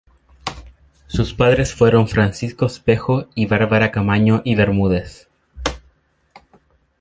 Sus padres fueron Francisco Espejo y Bárbara Camaño y Bermúdez.